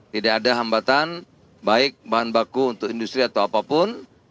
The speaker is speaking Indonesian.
tidak ada hambatan baik bahan baku untuk industri atau apapun